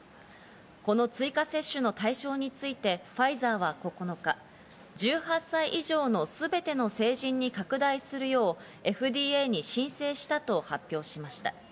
この追加接種の対象についてファイザーは９日、１８歳以上のすべての成人に拡大するようＦＤＡに申請したと発表しました。